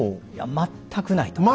全くない！